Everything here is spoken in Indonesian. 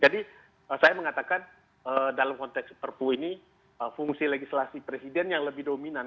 jadi saya mengatakan dalam konteks perpu ini fungsi legislasi presiden yang lebih dominan